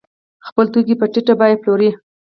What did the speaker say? خپل توکي په ټیټه بیه پلوري.